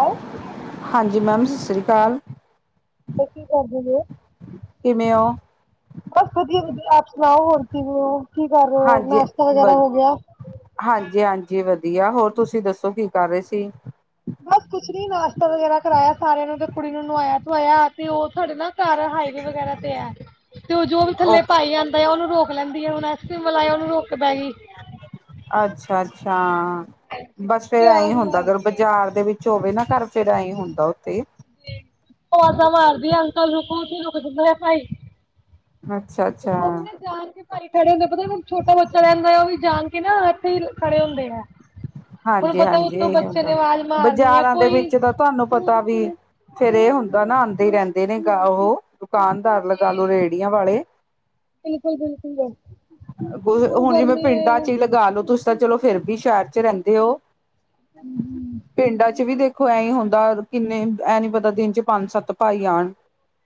ਆਏ [unintelligible] ਹਾਂਜੀ ਮੈਮ ਸਾਸਰੀ ਕਾਲ। ਤੇ ਕੀ ਕਰਦੇ ਜੇ? ਕਿਵੇਂ ਹੋ? ਬਸ ਵਧੀਆ-ਵਧੀਆ ਆਪ ਸੁਣਾਓ, ਹੋਰ ਕਿਵੇਂ ਓ, ਕੀ ਕਰ ਰਹੇ ਓ, ਨਾਸ਼ਤਾ ਵਗੈਰਾ ਹੋ ਗਿਆ? ਹਾਂਜੀ-ਹਾਂਜੀ ਵਧੀਆ, ਹੋਰ ਤੁਸੀਂ ਦੱਸੋ ਕੀ ਕਰ ਰਹੇ ਸੀ? ਬਸ ਕੁੱਛ ਨੀ ਨਾਸ਼ਤਾ ਵਗੈਰਾ ਕਰਾਇਆ ਸਾਰਿਆਂ ਨੂੰ ਤੇ ਕੁੜੀ ਨੂੰ ਨੁਵਾਇਆ-ਧੁਵਾਇਆ ਤੇ ਉਹ ਥੋੜੀ ਨਾ ਸਾਰਾ ਹਾਈ ਵੇ ਵਗੈਰਾ ਤੇ ਐ, ਤੇ ਉਹ ਜੋ ਵੀ ਓ ਥੱਲੇ ਪਾਈ ਆਨ ਤੇ ਉਹਨੂੰ ਰੋਕ ਲੈਂਦੀ ਏ, ਹੁਣ ਐਸਕ੍ਰੀਮ ਵਾਲਾ ਆਇਆ, ਉਹਨੂੰ ਰੋਕ ਕੇ ਬੇਗ੍ਹੀ। ਅੱਛਾ-ਅੱਛਾ। ਬਸ ਫੇਰ ਤੇ ਐਂਈਂ ਆਵਾਜ਼ ਹੁੰਦਾ, ਅਗਰ ਮਾਰਦੀ ਹੈ। ਬਾਜ਼ਾਰ ਦੇ ਵਿੱਚ ਹੋਵੇ ਨਾ ਘਰ, ਫੇਰ ਐਂਈਂ ਹੁੰਦਾ ਉੱਥੇ। ਅਵਾਜਾਂ ਮਾਰਦੀ ਏ ਅੰਕਲ ਰੁਕੋ, ਉੱਥੇ ਈ ਰੁਕ ਜਾਦੇਂ ਏ ਨੇ ਭਾਈ। ਅੱਛਾ-ਅੱਛਾ। ਹੁਣ [unintelligible] [unintelligible] ਖੜੇ ਹੁੰਦੇ ਪਤਾ ਨੀ ਛੋਟਾ ਬੱਚਾ ਰਹਿੰਦਾ ਉਹ ਵੀ ਜਾਣ ਕੇ ਨਾ ਇੱਥੇ ਹੀ ਖੜੇ ਹੁੰਦੇ ਆ। ਹਾਂਜੀ ਹਾਂਜੀ ਏ ਹੁੰਦਾ ਮਾਰਨੀ ਹੈ ਬਾਜ਼ਾਰਾਂ ਦੇ ਕੋਈ ਵਿੱਚ ਤਾਂ ਤੁਹਾਨੂੰ ਪਤਾ ਵੀ ਫੇਰ ਏ ਹੁੰਦਾ ਨਾ ਆਂਦੇ ਰਹਿੰਦੇ ਨੇ ਗਾ ਉਹ ਦੁਕਾਨਦਾਰ ਲਗਾਲੋ ਜੀ ਰੇੜੀਆਂ ਵਾਲੇ। ਬਿਲਕੁਲ ਬਿਲਕੁਲ ਹੂੰ ਹੁਣ ਜਿਵੇਂ ਗਰਮੀ ਹੈ ਪਿੰਡਾਂ ਚ ਹੀ। ਲਗਾਲੋ ਤੁਸੀਂ ਤਾਂ ਚਲੋ ਫਿਰ ਵੀ ਸ਼ਹਿਰ ਚ ਰਹਿੰਦੇ ਓ ਪਿੰਡਾਂ ਚ ਵੀ ਦੇਖ ਖੋ ਐਈ ਹੁੰਦਾ ਕਿੰਨੇ ਐ ਨੀ ਪਤਾ ਦਿਨ ਚ ਪੰਜ ਸੱਤ ਭਾਈ ਆਣ।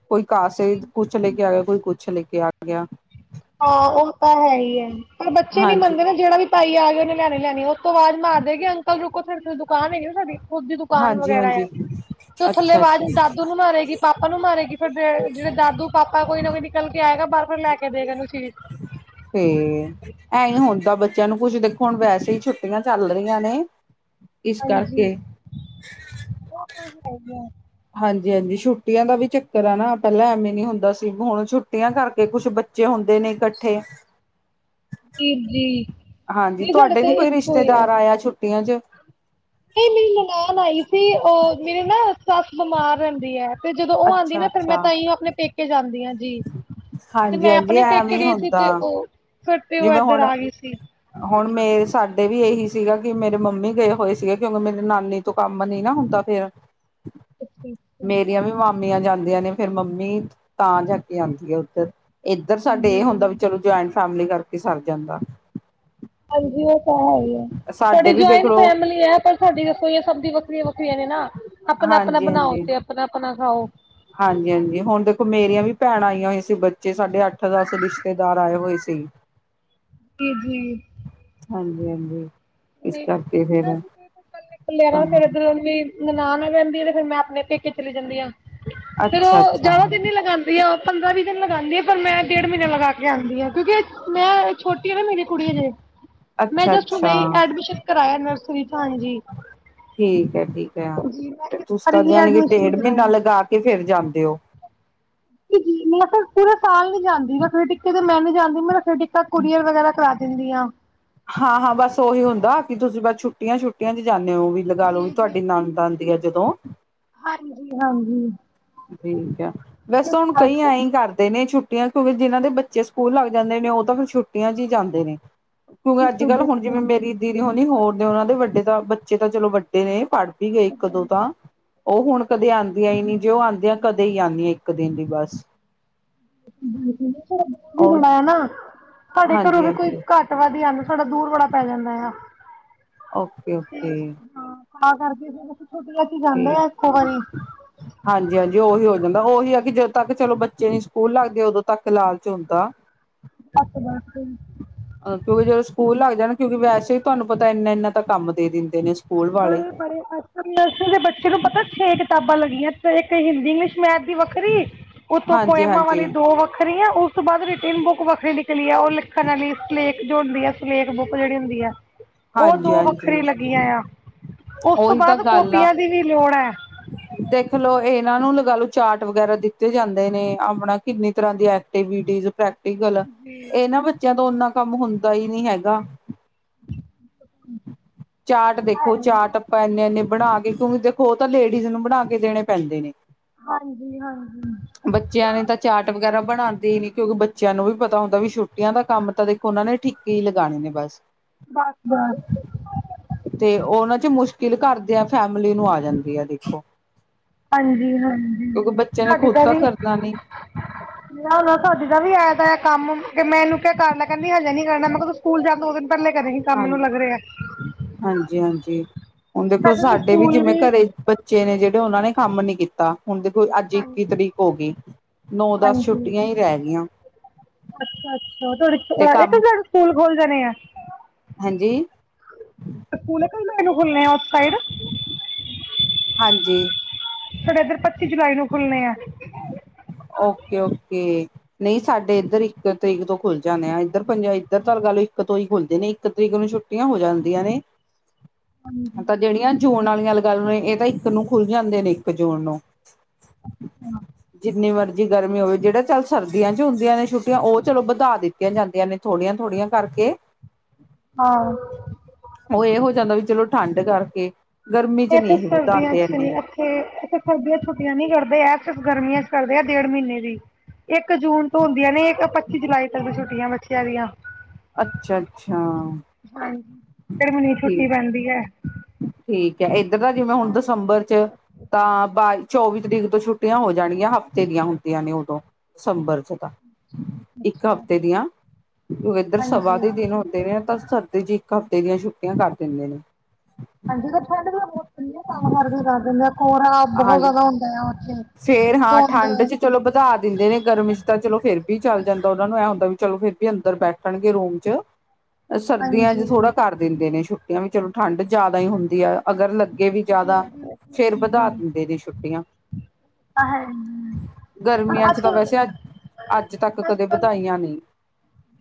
ਕੋਈ ਕਾਸੇ ਕੁੱਛ ਲੈ ਕੇ ਆ ਗਿਆ ਕੋਈ ਕੁੱਛ ਲੈਕੇ ਆ ਗਿਆ। ਹਾਂ ਉਹ ਤਾਂ ਹੈਈ ਐ ਪਰ ਬੱਚੇ ਨੀ ਹਾਂਜੀ। ਮੰਨਦੇ ਨਾ ਜਿਹੜਾ ਵੀ ਭਾਈ ਆ ਗਏ ਉਹਨੇ ਲੈਣੇ ਹੀ ਲੈਣੇ ਉਤੋਂ ਵਾਜ ਮਾਰ ਦੇ ਕਿ ਅੰਕਲ ਰੁਕੋ [unintelligible] ਦੁਕਾਨ ਹੈਗੀ ਨਾ ਤੁਹਾਡੀ। ਖੁਦ ਦੀ ਦੁਕਾਨ ਹਾਂਜੀ ਵਗੈਰਾ ਐ ਹਾਂਜੀ। ਤੇ ਉਹ ਥੱਲੇ ਅੱਛਾ ਆਵਾਜ਼ ਅੱਛਾ। ਦਾਦੂ ਨੂੰ ਮਾਰੇਗੀ ਪਾਪਾ ਨੂੰ ਮਾਰੇਗੀ ਫੇਰ ਬੇ ਜਿਹੜੇ ਦਾਦੂ ਪਾਪਾ ਕੋਈ ਨਾ ਕੋਈ ਨਿਕਲ ਕੇ ਆਏਗਾ ਬਾਰ ਫਿਰ, ਲੈ ਕੇ ਦਏਗਾ ਏਨੂੰ ਚੀਜ਼ ਫਿਰ, ਐਈ ਹੁੰਦਾ ਬੱਚਿਆਂ ਨੂੰ ਕੁੱਝ ਦੇਖੋ ਹੁਣ ਵੈਸੇ ਈ ਛੁੱਟੀਆਂ ਚੱਲ ਰਹੀਆਂ ਨੇ। ਇਸ ਹਾਂਜੀ ਕਰਕੇ ਉਹ ਤੇ ਹੈਈ ਐ। ਹਾਂਜੀ ਹਾਂਜੀ ਛੁੱਟੀਆਂ ਦਾ ਵੀ ਚੱਕਰ ਏ ਨਾ ਪਹਿਲਾਂ ਐਵੇਂ ਨੀ ਹੁੰਦਾ ਸੀ ਹੁਣ ਛੁੱਟੀਆਂ ਕਰਕੇ ਕੁੱਛ ਬੱ ਚੇ ਹੁੰਦੇ ਨੇ ਇਕੱਠੇ। ਚੀਜ਼ੀ। ਹਾਂਜੀ ਤੁਹਾਡੇ ਨੀ ਕੋਈ ਰਿਸ਼ਤੇਦਾਰ ਆਇਆ ਛੁੱਟੀਆਂ ਚ। ਨਹੀ ਮੇਰੀ ਨਨਾਣ ਆਈ ਸੀ ਉਹ ਮੇਰੀ ਨਾ ਸੱਸ ਬਮਾਰ ਰਹਿੰਦੀ ਐ। ਤੇ ਜਦੋਂ ਉਹ ਆਂਦੀ ਅੱਛਾ ਨਾ ਫੇਰ ਮੈਂ ਅੱਛਾ ਤਾਂਹੀਓ ਆਪਣੇ ਪੇਕੇ ਜਾਂਦੀ ਆਂ। ਜੀ ਤੇ ਹਾਂਜੀ ਮੈਂ ਹਾਂਜੀ ਆਪਣੇ ਪੇਕੇ ਐਵੇਂ ਗਈ ਸੀ ਹੁੰਦਾ ਤੇ ਓ ਫੇਰ ਤੇ ਓ ਜਿਵੇਂ ਏਧਰ ਹੁਣ ਆ ਗਈ ਸੀ। ਹੁਣ ਮੇਰੇ ਸਾਡੇ ਵੀ ਇਹੀ ਸੀਗਾ ਕਿ ਮੇਰੇ ਮੰਮੀ ਗਏ ਹੋਏ ਸੀਗੇ ਕਿਉਂਕਿ ਮੇਰੀ ਨਾਨੀ ਤੋਂ ਕੰਮ ਨੀ ਨਾ ਹੁੰਦਾ ਫੇਰ ਅੱਛਾ ਅੱਛਾ ਮੇਰੀਆਂ ਵੀ ਮਾ ਮੀਆਂ ਜਾਂਦੀਆਂ ਨੇ ਫੇਰ ਮੰਮੀ ਤਾਂ ਜਾ ਕੇ ਆਂਦੀ ਆ ਹੈ ਉੱਧਰ। ਇੱਧਰ ਜੀ ਸਾਡੇ ਇਹ ਹੁੰਦਾ ਵੀ ਚਲੋ ਜੁਆਇੰਟ ਫੈਮਿਲੀ ਕਰਕੇ ਸਰ ਜਾਂਦਾ। ਹਾਂਜੀ ਓ ਤਾਂ ਹੈਈ ਐ ਸਾਡੇ ਤੁਹਾਡੀ ਵੀ ਜੁਆਇੰਟ ਦੇਖਲੋ ਫੈਮਲੀ ਏ। ਪਰ ਸਾਡੀ ਰਸੋਈਆਂ ਸਭ ਦੀਆ ਵੱਖਰੀਆਂ ਵੱਖਰੀਆਂ ਨੇ ਨਾ ਆਪਣਾ ਅਪਣਾ ਹਾਂਜੀ ਬਣਾਓ ਹਾਂਜੀ ਤੇ ਆਪਣਾ ਅਪਣਾ ਖਾਓ। ਹਾਂਜੀ ਹਾਂਜੀ ਹੁਣ ਦੇਖੋ ਮੇਰੀਆਂ ਵੀ ਭੈਣਾਂ ਆਈਆਂ ਹੋਈਆਂ ਸੀ ਬੱਚੇ ਸਾਢੇ ਅੱਠ ਦਸ ਰਿਸ਼ ਰਿਸ਼ਤੇਦਾਰ ਆਏ ਹੋਏ ਸੀ। ਕੀ ਜੀ। ਹਾਂਜੀ ਹਾਂਜੀ। ਇਸ ਨਹੀਂ ਕਰਕੇ ਫੇਰ ਤਾਂ [unintelligible] ਫਿਰ ਇਧਰੋਂ ਵੀ। ਨਨਾਣ ਰਹਿੰਦੀ ਆ ਤੇ ਫੇਰ ਮੈਂ ਆਪਣੇ ਪੇਕੇ ਚਲੀ ਜਾਂਦੀ ਆ ਫੇਰ ਅੱਛਾ ਉਹ ਅੱਛਾ ਜ਼ਿਆਦਾ ਦਿਨ ਨੀ ਲਗਾਂਦੀ। ਜਾ ਪੰਦਰਾਂ ਵੀਹ ਦਿਨ ਲਗਾਂਦੀ ਆ ਪਰ ਮੈਂ ਡੇਢ ਮਹੀਨੇ ਲਗਾ ਕੇ ਆਂਦੀ ਆ ਕਿਉਂਕਿ ਮੈਂ ਛੋਟੀ ਆ ਨਾ ਮੇਰੀ ਕੁੜੀ ਹਜੇ ਮੈਂ ਅੱਛਾ ਜਸਟ ਹੁਣੀ ਅੱਛਾ ਐਡਮਿਸ਼ਨ ਕਰਾਇਆ ਨਰਸਰੀ ਚ ਹਾਂਜੀ। ਠੀਕ ਐ ਠੀਕ ਐ ਜੀ ਮੈਂ ਤੇ ਇਸ ਤੁਸੀਂ ਵਾਰ ਤਾਂ ਹੀ ਜਾਣੀ ਕਿ ਐਡਮਿਸ਼ਨ ਡੇਢ ਮਹੀਨਾ ਕਰਾਇਆ ਲਗਾ ਕੇ ਫੇਰ ਜਾਂਦੇ ਓ। ਮੈਂ ਮਤਲਬ ਪੂਰੇ ਸਾਲ ਨੀ ਜਾਂਦੀ [unintelligible] ਟਿੱਕੇ ਤੇ ਮੈਂ ਨੀ ਜਾਂਦੀ ਮੈਂ ਰੱਖੜੀ ਟਿੱਕਾ ਕੁੜੀਆਂ ਵਗੈਰਾ ਕਰਾ ਦਿੰਦੀ ਆ। ਹਾਂ ਹਾਂ ਬਸ ਉਹੀ ਹੁੰਦਾ ਕਿ ਤੁਸੀਂ ਬਸ ਛੁੱਟੀਆਂ ਛੁੱਟੀਆਂ ਚ ਜਾਂਦੇ ਹੋ ਵੀ। ਲਗਾਲੋ ਵੀ ਜੀ ਜੀ ਤੁਹਾਡੀ ਨਣਦ ਆਂਦੀ ਐ ਜਦੋਂ। ਹਾਂਜੀ ਹਾਂਜੀ। ਠੀਕ ਆ ਵੈਸੇ ਇਸ ਤਾਂ ਹੁਣ ਕਈ ਕਰਕੇ ਐਂਈ ਕਰਦੇ ਨੇ ਛੁੱਟੀ। ਯ ਤੇ ਹੋਵੇ ਛੁੱਟੀਆਂ ਕਿਉਂਕਿ ਜਿਨਾਂ ਦੇ ਬੱਚੇ ਸਕੂਲ ਲੱਗ ਜਾਂਦੇ ਨੇ ਉਹ ਤਾਂ ਫਿਰ ਛੁਟੀਆਂ ਚ ਹੀ ਜਾਂਦੇ ਨੇ ਬਿਲਕੁਲ ਕਿਉਂਕਿ ਅੱਜ ਕੱਲ੍ਹ ਹੁਣ ਜਿਵੇਂ ਬਿਲਕੁਲ ਮੇਰੀ ਦੀਦੀ ਹੋਣੀ ਹੋਰ ਨੇ ਉਹਨਾਂ ਦੇ ਵੱਡੇ ਤਾਂ ਬੱਚੇ ਤਾਂ ਚਲੋ ਵੱਡੇ ਨੇ ਪੜ੍ਹ ਵੀ ਗਏ ਇੱਕ ਦੋ ਤਾਂ ਉਹ ਹੁਣ ਕਦੇ ਆਉਂਦੀਆਂ ਹੀ ਨਹੀਂ ਜੇ ਉਹ ਆਉਂਦੇ ਆ ਕਦੇ ਹੀ ਆਉਂਦੀਆਂ ਇੱਕ ਦਿਨ ਲਈ ਬਸ ਬਿਲਕੁਲ ਵੀ ਉਹ ਰਲਾ ਨਾ ਸਾਡੇ ਘਰੋਂ ਹਾਂਜੀ ਵੀ ਕੋਈ ਹਾਂਜੀ ਘੱਟ ਅੱਤਵਾਦੀਆ ਨੂੰ ਸਾਡਾ ਦੂਰ ਬੜਾ ਪੈ ਜਾਂਦਾ ਆ ਓਕੇ ਓਕੇ ਤਾਂ ਕਰਕੇ ਫ਼ਿਰ ਛੁੱਟੀਆਂ ਚ ਠੀਕ ਜਾਂਦੇ ਆ ਇੱਕੋ ਵਾਰੀ ਹਾਂਜੀ ਹਾਂਜੀ ਉਹੀ ਹੋ ਜਾਂਦਾ ਉਹੀ ਆ ਕਿ ਜਦੋਂ ਤੱਕ ਚਲੋ ਬੱਚੇ ਨੀ ਸਕੂਲ ਲੱਗਦੇ ਉਦੋਂ ਤੱਕ ਲਾਲਚ ਹੁੰਦਾ ਘੱਟ ਜਾਣਾ ਕਿ ਨਹੀਂ ਕਿਉਂਕਿ ਜਦੋਂ ਸਕੂਲ ਲੱਗ ਜਾਣ ਕਿਉਂਕਿ ਵੈਸੇ ਤੁਹਾਨੂੰ ਪਤਾ ਇੰਨਾ ਇੰਨਾ ਤਾਂ ਕੰਮ ਦੇ ਦਿੰਦੇ ਨੇ ਸਕੂਲ ਵਾਲੇ ਬੜੇ ਬੜੇ ਅੱਛ ਨਰਸ ਦੇ ਬੱਚੇ ਨੂੰ ਪਤਾ ਛੇ ਕਿਤਾਬਾਂ ਲੱਗੀਆਂ ਇੱਕ ਹਿੰਦੀ ਇੰਗਲਿਸ਼ ਮੈਥ ਦੀ ਵ ਵੱਖਰੀ ਉਤੋਂ ਹਾਂਜੀ ਪੋਇਮਾਂ ਹਾਂਜੀ ਵਾਲੀ ਦੋ ਵੱਖਰੀਆਂ ਉਸ ਤੋਂ ਬਾਅਦ ਰਿਟਿੰਨ ਬੁੱਕ ਵੱਖਰੀ ਨਿਕਲੀ ਹੈ ਉਹ ਲਿਖਣ ਵਾਲੀ ਸਲੇਕ ਜੋ ਹੁੰਦੀ ਹੈ ਸਲੇਕ ਬੁੱਕ ਜਿਹੜੀ ਹੁੰਦੀ ਹੈ ਹਾਂਜੀ ਹਾਂਜੀ ਕਿਆ ਆ ਉਸ ਤੋਂ ਬਾਅਦ ਕੋੋਪੀਆਂ ਦੀ ਵੀ ਲੋੜ ਹੈ ਹ ਦੇਖਲੋ ਇਹਨਾਂ ਨੂੰ ਲਗਾ ਲੋ ਚਾਰਟ ਵਗੈਰਾ ਦਿੱਤੇ ਜਾਂਦੇ ਨੇ ਆਪਣਾ ਕਿੰਨੀ ਤਰ੍ਹਾਂ ਦੀ ਐਕਟੀਵਿਜ ਪ੍ਰੈਕਟੀਕਲ ਜੀ ਇਹ ਨਾ ਬੱਚੇ ਜਦੋਂ ਓਨਾ ਕੰਮ ਹੁੰਦਾ ਹੀ ਨਹੀਂ ਹੈਗਾ ਚਾਰ ਦੇਖੋ ਚਾਰਟ ਆਪਾ ਇੰਨੇ ਇੰਨੇ ਬਣਾ ਕੇ ਕਿਉਂਕਿ ਦੇਖੋ ਉਹ ਤਾਂ ਲੇਡੀਜ਼ ਨੂੰ ਬਣਾ ਕੇ ਦੇਣੇ ਪੈਂਦੇ ਨੇ ਹਾਂਜੀ ਹਾਂਜੀ ਬੱਚਿਆਂ ਨੇ ਤਾਂ ਚਾਟ ਵਗੈਰਾ ਬਣਾਉਂਦੇ ਹੀ ਨੀ ਕਿਉਂਕਿ ਬੱਚਿਆਂ ਨੂੰ ਵੀ ਪਤਾ ਹੁੰਦਾ ਵੀ ਛੁੱਟੀਆਂ ਦਾ ਕੰਮ ਤਾਂ ਦੇਖੋ ਉਹਨਾਂ ਨੇ ਠੀਕ ਹੀ ਲਗਾਣੇ ਨੇ ਬਸ ਬਸ ਬਸ ਤੇ ਉਹਨਾਂ ਚ ਮੁਸ਼ਕਿਲ ਘਰ ਦੇ ਆ ਫੈਮਲੀ ਨੂੰ ਆ ਜਾਂਦੀ ਹੈ ਦੇਖੋ ਹਾਂਜੀ ਹਾਂਜੀ ਕਿਉਂਕਿ ਬੱਚੇ ਨੇ ਤੁਹਾਡੇ ਖੁਦ ਤਾਂ ਇਹ ਵੀ ਕਰਨਾ ਨੀ ਨ ਤੁਹਾਡੇ ਦਾ ਵੀ ਆਇਆ ਦਾ ਕੰਮ ਕਿ ਮੈਂ ਇਹਨੂੰ ਕਿਹਾ ਕਰ ਲੈ ਕਹਿੰਦੀ ਹਜੇ ਨੀ ਕਰਨਾ ਮੈਂ ਕਿਹਾ ਤੂੰ ਸਕੂਲ ਜਾਣ ਤੋਂ ਦੋ ਦਿਨ ਪਹਿਲੇ ਕਰੇਗੀ ਕੰਮ ਮੈਨੂੰ ਹਾਂਜੀ ਲੱਗ ਰਿਹਾ ਹਾਂਜੀ ਹਾਂਜੀ ਹੁਣ ਦੇਖੋ ਸਾਡੇ ਵੀ ਜਿਵੇਂ ਘਰੇ ਬੱਚੇ ਨੇ ਜਿਹੜੇ ਉਹਨਾਂ ਨੇ ਕੰਮ ਨੀ ਕੀਤਾ ਹੁਣ ਦੇਖੋ ਅੱਜ ਇੱਕੀ ਤਰੀਕ ਹੋ ਗਈ ਨੌ ਦਸ ਹਾਂਜੀ ਛੁੱਟੀਆਂ ਹੀ ਰਹਿ ਗਈਆਂ ਅੱਛਾ ਅੱਛਾ ਤੁਹਾਡੇ ਇਕ ਤੇ ਕੰਮ ਤੁਹਾਡੇ ਸਕੂਲ ਖੁੱਲ ਜਾਣੇ ਆ ਹਾਂਜੀ ਸਕੂਲ ਇੱਕ ਨੂੰ ਖੁਲਣੇ ਆ ਉਸ ਸਾਈਡ ਹਾਂਜੀ। ਸਾਡੇ ਇੱਧਰ ਪੱਚੀ ਜੁਲਾਈ ਨੂੰ ਖੁੱਲਣੇ ਆ। ਓਕੇ ਓਕੇ ਨਹੀਂ ਸਾਡੇ ਇੱਧਰ ਇੱਕ। ਤਰੀਕ ਤੋਂ ਖੁੱਲ ਜਾਂਦੇ ਆ ਇੱਧਰ ਪੰਜ ਇੱਧਰ ਤਾਂ ਗੱਲ ਇੱਕ ਤੋਂ ਹੀ ਖੁੱਲਦੇ ਨੇ ਇੱਕ ਤਰੀਕ ਨੂੰ ਛੁੱਟੀਆਂ ਹੋ ਜਾਂਦੀਆਂ ਨੇ। ਹੂੰ। ਤਾਂ ਜਿਹੜੀਆਂ ਜੂਨ ਵਾਲੀਆਂ ਲਗਾ ਲੋ ਇਹ ਤਾਂ ਇੱਕ ਨੂੰ ਖੁੱਲ ਜਾਂਦੇ ਨੇ ਇੱਕ ਜੂਨ ਨੂੰ। ਜਿੰਨੀ ਮਰਜ਼ੀ ਗਰਮੀ ਹੋਵੇ ਜਿਹੜਾ ਚੱਲ ਸਰਦੀਆਂ 'ਚ ਹੁੰਦੀਆਂ ਨੇ ਛੁੱਟੀਆਂ ਉਹ ਚਲੋ ਵਧਾ ਦਿੱਤੀਆਂ ਜਾਂਦੀਆਂ ਨੇ। ਥੋੜ੍ਹੀਆਂ ਥੋੜ੍ਹੀਆਂ ਕਰਕੇ। ਹਾਂ। ਉਹ ਇਹ ਹੋ ਜਾਂਦਾ ਵੀ ਚਲੋ ਠੰਡ ਕਰਕੇ ਗਰਮੀ 'ਚ ਨਹੀਂ ਇਹ ਵਧਾਉਂਦੇ ਇਨੀਂ। ਤੇ ਇੱਥੇ ਸਰਦੀਆਂ 'ਚ ਛੁੱਟੀਆਂ ਨੀ ਕਰਦੇ, ਆ ਸਿਰਫ਼ ਗਰਮੀਆਂ 'ਚ ਕਰਦੇ ਆ ਡੇਢ ਮਹੀਨੇ ਦੀ। ਇੱਕ ਜੂਨ ਤੋਂ ਹੁੰਦੀਆਂ ਨੇ ਇੱਕ ਪੱਚੀ ਜੁਲਾਈ ਤੱਕ ਛੁੱਟੀਆਂ ਬੱਚਿਆਂ ਦੀਆਂ। ਅੱਛਾ ਅੱਛਾ ਹਾਂਜੀ ਡੇਢ ਮਹੀਨੇ ਦੀ ਠੀਕ ਛੁੱਟੀ ਰਹਿੰਦੀ ਆਂ। ਠੀਕ ਹੈ ਇੱਧਰ ਤਾਂ ਜਿਵੇਂ ਹੁਣ ਦਸੰਬਰ 'ਚ ਹਾਂਜੀ ਤਾਂ। ਚੌਵੀ ਤਰੀਕ ਤੋਂ ਛੁੱਟੀਆਂ ਹੋ ਜਾਣਗੀਆਂ ਹਫ਼ਤੇ ਦੀਆਂ ਹੁੰਦੀਆਂ ਨੇ ਉਦੋਂ ਦਸੰਬਰ 'ਚ ਤਾਂ। ਇੱਕ ਹਫ਼ਤੇ ਦੀਆਂ ਕਿਉਂ ਏਧਰ ਸਭਾ ਹਾਂਜੀ ਦੇ ਦਿਨ। ਹੁੰਦੇ ਏ ਤਾਂ ਸਰਦੀ 'ਚ ਇੱਕ ਹਫ਼ਤੇ ਦੀਆਂ ਛੁੱਟੀਆਂ ਕਰ ਦਿੰਦੇ ਨੇ। ਹਾਂਜੀ ਤੇ ਠੰਡ ਵੀ ਬਹੁਤ ਵਧੀਆ ਕੰਮ ਕਰਦੀ ਕਰ ਦਿੰਦੇ ਆ ਕੋਰਾ ਬਹੁਤ ਹਾਂਜੀ ਜ਼ਿਆਦਾ ਹੁੰਦਾ ਆ। ਉੱਥੇ ਫੇਰ ਹਾਂ ਧੁੰਦ ਠੰਡ 'ਚ। ਚਲੋ ਵਧਾ ਦਿੰਦੇ ਨੇ ਗਰਮ 'ਚ ਤਾਂ ਚਲੋ ਫੇਰ ਵੀ ਚੱਲ ਜਾਂਦਾ, ਉਹਨਾਂ ਨੂੰ ਇਹ ਹੁੰਦਾ ਵੀ ਚਲੋ ਫਿਰ ਵੀ ਅੰਦਰ ਬੈਠਣਗੇ ਰੂਮ 'ਚ। ਸਰਦੀਆਂ ਹਾਂਜੀ 'ਚ ਥੋੜ੍ਹਾ ਕਰ ਦਿੰਦੇ ਨੇ ਛੁੱਟੀਆਂ ਵੀ ਚਲੋ ਠੰਢ ਜ਼ਿਆਦਾ ਹੀ ਹੁੰਦੀ ਆ ਅਗਰ। ਲੱਗੇ ਵੀ ਜੀ ਜ਼ਿਆਦਾ, ਫਿਰ ਵਧਾ ਬਿਲਕੁਲ ਦਿੰਦੇ ਨੇ ਛੁੱਟੀਆਂ। ਹਾਂਜੀ। ਗਰਮੀਆਂ 'ਚ ਤਾਂ ਵੈਸੇ ਅੱ ਅੱਜ ਤੱਕ ਕਦੇ ਵਧਾਈਆਂ ਨਹੀਂ।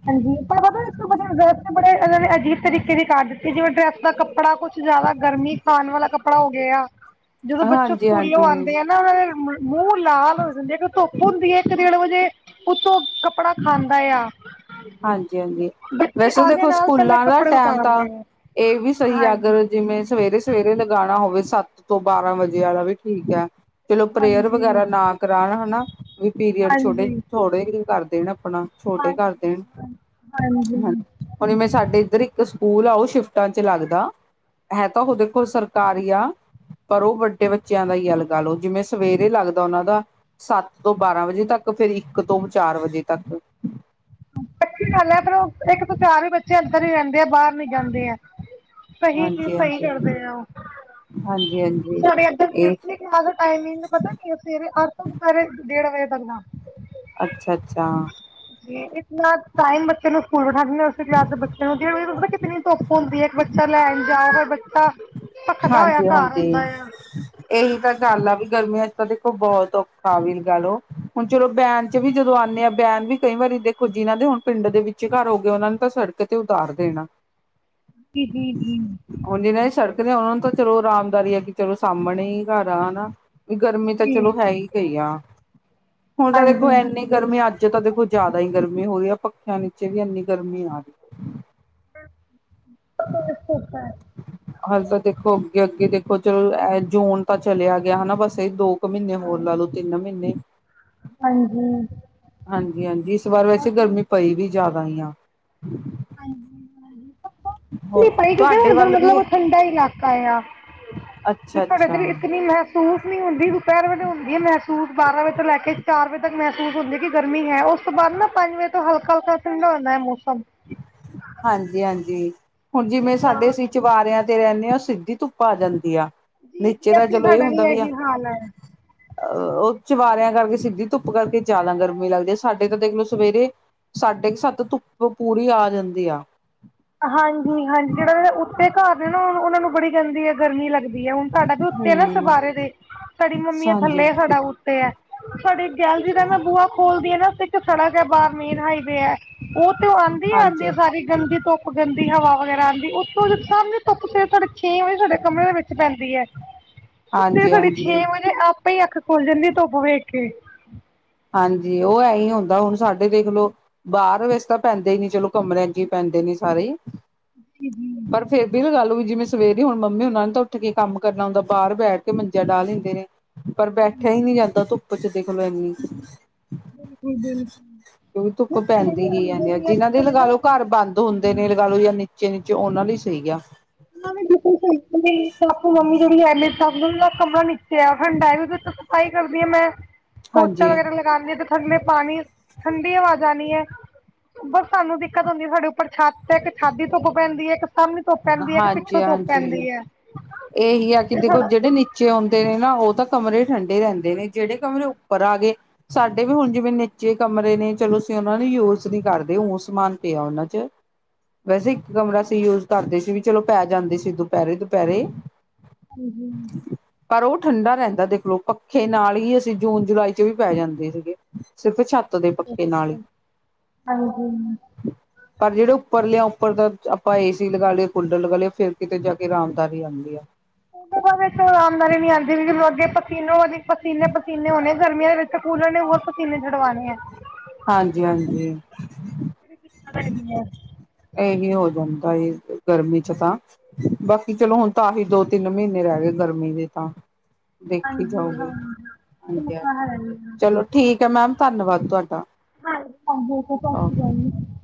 ਹਾਂਜੀ ਪਰ ਪਤਾ ਇਸ ਤੋ ਬੜੇ ਇਹਨਾਂ ਨੇ ਅਜੀਬ ਤਰੀਕੇ ਦੀ ਕਰ ਦਿੱਤੀ ਜਿਵੇਂ ਡਰੈਸ ਦਾ ਕੱਪੜਾ ਕੁਛ। ਜ਼ਿਆਦਾ ਗਰਮੀ 'ਚ ਪਾਉਣ ਵਾਲਾ ਕੱਪੜਾ ਹੋ ਗਿਆ, ਜਦੋਂ ਬੱਚੋਂ ਹਾਂਜੀ ਸਕੂਲੋਂ ਹਾਂਜੀ ਆਉਂਦੇ ਆ। ਨਾ ਉਹਨਾਂ ਦੇ ਮੂੰਹ ਲਾਲ ਹੋ ਜਾਂਦੇ ਕਿਉਂ ਧੁੱਪ ਹੁੰਦੀ ਹੈ, ਇੱਕ ਡੇਢ ਵਜੇ, ਉੱਤੋਂ। ਕੱਪੜਾ ਖਾਂਦਾ ਆ। ਹਾਂਜੀ, ਹਾਂਜੀ ਬੱਚੇ ਵੈਸੇ ਆਨੇ ਦੇਖੋ ਨਾਲ ਪਹਿਲੇ ਸਕੂਲਾਂ ਦਾ ਕੱਪੜੇ ਟਾਈਮ ਤਾਂ, ਉਤਾਰਦੇ ਨੇ। ਇਹ ਵੀ ਸਹੀ ਆ ਹਾਂਜੀ। ਅਗਰ। ਜਿਵੇਂ ਸਵੇਰੇ ਸਵੇਰੇ ਲਗਾਉਣਾ ਹੋਵੇ, ਸੱਤ ਤੋਂ ਬਾਰਾਂ ਵਜੇ ਵਾਲਾ ਵੀ ਠੀਕ ਹੈ। ਚਲੋ ਪ੍ਰੇਅਰ ਹਾਂਜੀ, ਵਗੈਰਾ ਨਾ ਕਰਾਉਣ ਹਨਾ। ਵੀ ਪੀਰੀਅਡ ਛੋਟੇ ਹਾਂਜੀ। ਥੋੜੇ ਜੇ ਕਰ ਦੇਣ, ਆਪਣਾ ਛੋਟੇ ਕਰ ਹਾਂਜੀ, ਦੇਣ। ਹਾਂ, ਹਾਂਜੀ ਹੁਣ ਜਿਵੇਂ ਸਾਡੇ ਇੱਧਰ ਇੱਕ ਸਕੂਲ ਆ ਉਹ ਸ਼ਿਫਟਾਂ 'ਚ ਲੱਗਦਾ। ਹੈ ਤਾਂ ਉਹ ਦੇਖੋ ਸਰਕਾਰੀ ਆਂ। ਪਰ ਉਹ ਵੱਡੇ ਬੱਚਿਆਂ ਦਾ ਹੀ ਲਗਾ ਲਓ ਜਿਵੇਂ ਸਵੇਰੇ ਲੱਗਦਾ ਉਹਨਾਂ ਦਾ। ਸੱਤ ਤੋਂ ਬਾਰਾਂ ਵਜੇ ਤੱਕ ਫਿਰ ਇੱਕ ਤੋਂ ਚਾਰ ਵਜੇ ਤੱਕ। ਅੱਛੀ ਗੱਲ ਹੈ ਪਰ, ਉਹ ਇੱਕ ਤਾਂ ਵਿਚਾਰ ਵੀ ਬੱਚੇ ਅੰਦਰ ਹੀ ਰਹਿੰਦੇ ਆ, ਬਾਹਰ ਨੀ ਜਾਂਦੇ ਆ। ਸਹੀ ਚੀਜ਼ ਹਾਂਜੀ ਸਹੀ ਹਾਂਜੀ ਕਰਦੇ ਆ, ਉਹ ਹਾਂਜੀ ਹਾਂਜੀ ਸਾਡੇ ਏਧਰ। ਇਹ ਟਾਈਮਿੰਗ ਪਤਾ ਕੀ ਹੈ ਸਵੇਰੇ ਅੱਠ ਤੋਂ ਦੁਪਹਿਰੇ ਡੇਢ ਵਜੇ ਤੱਕ ਦਾ। ਅੱਛਾ ਅੱਛਾ। ਜੀ ਇਹ। ਨਾ ਟਾਈਮ ਬੱਚੇ ਨੂੰ ਸਕੂਲ ਬਠਾ ਦਿੰਦੇ ਉਸੇ ਕਲਾਸ ਦੇ ਬੱਚੇ ਨੂੰ ਡੇਢ ਵਜੇ ਪਤਾ ਕਿੰਨੀ ਧੁੱਪ ਹੁੰਦੀ ਹੈ। ਬੱਚੇ ਲੈਣ ਜਾਓ ਫੇਰ ਬੱਚਾ ਭਖਦਾ ਹੋਇਆ ਹਾਂਜੀ ਘਰ ਹਾਂਜੀ ਆਉਂਦਾ ਆਂ। ਇਹੀ ਤਾਂ ਗੱਲ ਆ ਵੀ ਗਰਮੀਆਂ 'ਚ ਤਾਂ ਦੇਖੋ ਬਹੁਤ ਔਖਾ ਵੀ ਲਗਾ ਲਉ, ਹੁਣ ਚਲੋ। ਵੈਨ ਵਿੱਚ ਵੀ ਜਦੋਂ ਆਉਂਦੇ ਆ ਵੈਨ ਵੀ ਕਈ ਵਾਰੀ ਦੇਖੋ ਜਿਨ੍ਹਾਂ ਦੇ ਹੁਣ ਪਿੰਡ ਦੇ ਵਿੱਚ ਘਰ ਹੋ ਗਏ ਉਹਨਾਂ ਨੂੰ ਤਾਂ ਸੜਕ ਤੇ ਉਤਾਰ ਦੇਣਾ। ਜੀ, ਜੀ, ਹਾਂਜੀ ਜੀ। ਹੁਣ ਜਿਨਾਂ ਦੇ ਸੜਕ। ਤੇ ਆਂ ਉਹਨਾਂ ਨੂੰ ਤਾਂ ਚਲੋ ਆਰਾਮਦਾਰੀ ਆਗੀ, ਚਲੋ ਸਾਹਮਣੇ ਹੀ ਘਰ ਆ ਹਨਾ। ਵੀ ਗਰਮੀ ਤਾਂ ਜੀ, ਚਲੋ ਹੈ ਹੀ ਗਈ ਆ ਹੁਣ ਤਾਂ ਦੇਖੋ ਹਾਂਜੀ। ਇੰਨੀ। ਗਰਮੀ ਅੱਜ ਤਾਂ ਦੇਖੋ ਜ਼ਿਆਦਾ ਹੀ ਗਰਮੀ ਹੋ ਰਹੀ ਹੈ। ਪੱਖਿਆਂ ਨੀਚੇ ਵੀ ਇੰਨੀ ਗਰਮੀ ਆ ਰਹੀ। ਹੂੰ ਰਸੋਈ 'ਚ ਧੁੱਪ ਆਂ। ਹਾਲੇ ਤਾਂ ਦੇਖੋ, ਅੱਗੇ ਅੱਗੇ ਦੇਖੋ, ਚਲੋ ਏ ਜੂਨ ਤਾਂ ਚਲਿਆ ਗਿਆ ਹਨਾ, ਬਸ ਇਹ ਦੋ ਇੱਕ ਮਹੀਨੇ ਹੋਰ ਲਾ ਲੋ ਤਿੰਨ ਮਹੀਨੇ ਹਾਂਜੀ, ਹਾਂਜੀ ਇਸ ਵਾਰ ਵੈਸੇ ਹਾਂਜੀ ਗਰਮੀ ਪਈ ਵੀ ਜ਼ਿਆਦਾ ਈਆ ਹੋਰ ਤੁਹਾਡੇ [unintelligible] ਵੱਲ ਮਤਲਬ ਵੀ ਉਹ ਠੰਡਾ ਇਲਾਕਾ ਆ ਅੱਛਾ ਤੁਆਡੇ ਇਧਰ ਅੱਛਾ ਇਸਕਨੀ ਨਾ [inaudible] ਨੀ ਹੁੰਦੀ ਦੁਪੇਰ ਵੇਲੇ ਹੁੰਦੀ ਐ। ਮਹਿਸੂਸ ਬਾਰਾਂ ਵਜੇ ਤੋਂ ਲੈ ਕੇ ਚਾਰ ਵਜੇ ਤੱਕ ਮਹਿਸੂਸ ਹੁੰਦੀ ਕਿ ਗਰਮੀ ਹੈ ਉਸ ਤੋਂ ਬਾਅਦ ਨਾ ਪੰਜ ਵਜੇ ਤੋ ਹਲਕਾ-ਹਲਕਾ ਠੰਡਾ ਹੋਂਦਾ ਐ ਮੌਸਮ ਹਾਂਜੀ-ਹਾਂਜੀ ਹੁਣ ਜਿਵੇਂ ਸਾਡੇ ਸੀਂ ਚੁਬਾਰੇਯਾ ਤੇ ਰੇਨੇ ਆ ਸਿੱਧੀ ਧੁੱਪ ਆ ਜਾਂਦੀ ਆ। ਜੀ ਨੀਚੇ ਜੀ ਦਾ ਅਸੀਂ ਚਲੋ ਇਹ ਸਾਡਾ ਵੀ ਹੁੰਦਾ ਵੀਆ ਇਹੀ ਹਾਲ ਹੈ ਅ ਉਹ ਚਵਾਰਿਆਂ ਕਰਕੇ ਸਿੱਧੀ ਧੁੱਪ ਕਰਕੇ ਜ਼ਿਆਦਾ ਗਰਮੀ ਲੱਗਦੀ ਆ। ਸਾਡੇ ਤਾਂ ਦੇਖ ਲੋ ਸਵੇਰੇ ਸਾਢੇ ਕੁ ਸੱਤ ਧੁੱਪ ਪੂਰੀ ਆ ਜਾਂਦੀ ਆ। ਹਾਂਜੀ-ਹਾਂਜੀ ਜੇੜਾ ਜੇੜਾ ਉੱਤੇ ਘਰ ਨੇ ਨਾ ਊਨਾ ਉਨਾਂ ਨੂੰ ਬੜੀ ਗੰਦੀ ਹੈ। ਗਰਮੀ ਲੱਗਦੀ ਹੈ। ਹੁਣ ਤੁਹਾਡਾ ਵੀ ਉੱਤੇ ਆ ਨਾ ਚਬਾਰੇ ਹਾਂਜੀ ਦੇ ਸਾਡੀ ਮੰਮੀ ਦਾ ਥੱਲੇ ਸਾਡਾ ਉੱਤੇ ਐ ਸਾਡੇ ਗੈਲਰੀ ਅੱਛਾ ਦਾ ਮੈਂ ਬੂਹਾ ਖੋਲਦੀ ਐ। ਨਾ ਇੱਕ ਸੜਕ ਐ ਬਾਰ ਮੇਨ ਹਾਈਵੇ ਐ ਉ ਤੇ ਉਹ ਆਂਦੀ ਈ ਆਂਦੀ ਐ। ਹਾਂਜੀ। ਸਾਰੀ ਗੰਦੀ ਧੁੱਪ ਗੰਦੀ ਹਵਾ ਵਗੈਰਾ ਆਂਦੀ ਉੱਥੋਂ ਸਾਹਮਣੇ ਧੁਪ ਤੇੇ ਛੇ ਵਜੇ ਸਾਡੇ ਕਮਰੇ ਦੇ ਵਿੱਚ ਪੈਂਦੀ ਐ। ਤੇੇ ਹਾਂਜੀ ਸਾਡੀ ਹਾਂਜੀ ਛੇ ਵਜੇ ਤੇ ਆਪੇ ਈ ਅੱਖ ਖੁੱਲ ਜਾਂਦੀ। ਧੁੱਪ ਵੇਖ ਕੇ ਹਾਂਜੀ ਉ ਐਹੀ ਹੁੰਦਾ ਹੁਣ ਸਾਡੇ ਦੇਖਲਓ ਬਾਹਰ ਵੈਸੇ ਤਾਂ ਪੈਂਦੇ ਹੀ ਨੀ ਚਲੋ ਕਮਰਿਆਂ ਚ ਹੀ ਪੈਂਦੇ ਨੇ ਸਾਰੇ ਈ ਜੀ ਜੀ ਪਰ ਫੇਰ ਵੀ ਗੱਲ ਹੋਈ। ਜਿਵੇਂ ਸਵੇਰੇ ਹੁਣ ਮੰਮੀ ਉਨਾਂ ਨੇ ਤਾਂ ਉੱਠ ਕੇ ਕੰਮ ਕਰਨਾ ਹੁੰਦਾ। ਬਾਰ ਬੈਠ ਕੇ ਮੰਜੀਆ ਡਾਹ ਲੈਂਦੇ ਨੇ ਪਰ ਬੈਠਿਆ ਈ ਨੀ ਜਾਂਦਾ ਧੁੱਪ ਚ ਦੇਖ ਲਓ ਇੰਨੀ ਬਿਲਕੁਲ-ਬਿਲਕੁਲ ਕਿਉਂਕਿ, ਧੁੱਪ ਪੈਂਦੀ ਹੀ ਏਨੀ ਜਿਨਾਂ ਦੇ ਸਾਡੇ ਲਗਾ ਨਾ ਲੋ ਘਰ ਬੰਦ ਹੁੰਦੇ ਨੇ ਲਗਾ ਲੋ ਯਾਨੀ ਨੀਚੇ-ਨੀਚੇ, ਉਨਾਂ ਲਈ ਸਹੀ ਆ [unintelligible] ਮੰਮੀ ਜੇੜੀ ਹੈ। ਦਾ ਕਮਰਾ ਨੀਚੇ ਆ ਠੰਡਾ ਆਈ ਕਰਦੀ ਆ। ਮੈਂ ਪੋਚਾ ਹਾਂਜੀ ਵਗੈਰਾ ਲੱਗ ਗਾਨੀ ਆ। ਤੇ ਥੱਲੇ ਪਾਣੀ ਠੰਡੀ ਹਵਾ ਜਾਨੀ ਏ। ਬਸ ਸਾਨੂੰ ਦਿੱਕਤ ਹੁੰਦੀ ਹੈ‌। ਸਾਡੇ ਉੱਪਰ ਛੱਤ ਇੱਕ ਛੱਤ ਦੀ ਧੁੱਪ ਪੈਂਦੀ ਏ। ਇੱਕ ਸਾਮਨੀ ਧੁੱਪ ਪੈਂਦੀ ਹੈ ਇੱਕ ਪਿੱਛੋਂ ਧੁੱਪ ਹਾਂਜੀ-ਹਾਂਜੀ, ਪੈਂਦੀ ਹੈ ਇਹੀ ਆ ਕਿ ਦੇਖੋ ਸਾਡਾ ਜੇੜੇ ਨੀਚ ਨੀਚੇ ਆਉਂਦੇ ਨੇ ਨਾ ਉਹ ਤਾਂ ਕਮਰੇ ਠੰਡੇ ਰੇਂਦੇ ਨੇ। ਜੇੜੇ ਕਮਰੇ ਉੱਪਰ ਆ ਗੇ ਸਾਡੇ ਵੀ ਹੁਣ ਜਿਵੇਂ ਨੀਚੇ ਕਮਰੇ ਨੇ ਚਲੋ ਅਸੀਂ ਉਨਾਂ ਨੂੰ ਯੂਜ ਨੀ ਕਰਦੇ, ਉਹ ਸਮਾਨ ਪਿਆ ਉਨਾਂ 'ਚ ਵੈਸੇ ਇੱਕ ਕਮਰਾ ਅਸੀ ਯੂਜ ਕਰਦੇ ਸੀ। ਵੀ ਚਲੋ ਪੈ ਜਾਂਦੇ ਸੀ। ਦੁਪੇਰੇ, ਦੁਪੇਰੇ ਹੁੰ-ਹੁੰ ਪਰ ਉਹ ਠੰਡਾ ਰੇਂਦਾ ਦੇਖਲਓ, ਪੱਖੇ ਨਾਲ ਹੀ ਅਸੀਂ ਜੂਨ ਜੁਲਾਈ 'ਚ ਵੀ ਪੈ ਜਾਂਦੇ ਸੀਗੇ। ਸਿਰਫ ਛੱਤ ਦੇ ਪੱਖੇ ਨਾਲ ਈ ਹਾਂਜੀ ਪਰ ਜੇੜੇ ਉੱਪਰ ਲਿਆ ਉੱਪਰ ਦਾ ਆਪਾਂ ਏਸ ਤੀ ਲਗਾ ਲਏ, ਕੂਲਰ ਲਗਾ ਲਏ, ਫੇਰ ਕਿਤੇ ਜਾ ਕੇ ਰਾਮਧਾਰੀ ਆਂਦੀ ਏ। ਵਿੱਚ ਉਹ ਅਰਾਮਦਾਰੀ ਨੀ ਆਂਦੀ। ਵੀ ਜਦੋਂ ਅੱਗੇ ਪਸੀਨੋ ਪਸੀਨੇ, ਪਸੀਨੇ ਹੋਣੇ ਗਰਮੀਆਂ ਦੇ ਵਿੱਚ ਤੇ ਕੂਲਰ ਨੇ ਹੋਰ ਪਸੀਨੇ ਛਡਵਾਣੇ ਏ। ਹਾਂਜੀ-ਹਾਂਜੀ [unintelligible] ਏਹੀ ਹੋ ਜਾਂਦਾ ਏ। ਗਰਮੀ ਚ ਤਾਂ ਬਾਕੀ ਚਲੋ, ਹੁਣ ਤਾਂਹੀ ਦੋ ਤਿੰਨ ਮਹੀਨੇ ਰਹਿ ਗਏ। ਗਰਮੀ ਦੇ ਤਾਂ ਦੇਖੀ ਜਾਓਗੇ। ਉਹ ਹਾਂਜੀ ਹ ਤਾਂ ਹੈ ਹੀ ਆ। ਚਲੋ ਠੀਕ ਏ। ਮੈਮ ਧੰਨਵਾਦ ਤੁਹਾਡਾ ਹਾਂ ਓਕੇ [unintelligible]